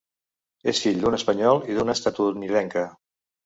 És fill d'un espanyol i d'una estatunidenca.